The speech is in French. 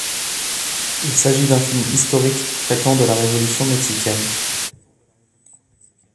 Il s'agit d'un film historique traitant de la révolution mexicaine.